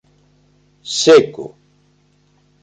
Seco...